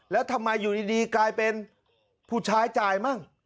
แล้วทำไมอยู่ดีกลายเป็นผู้ชายจ่ายมั่ง